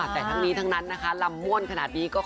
แต่ทั้งนี้ทั้งนั้นนะคะลำม่วนขนาดนี้